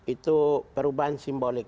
itu perubahan simbolik